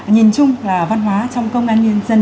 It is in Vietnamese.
nhìn chung là văn hóa trong công an nhân dân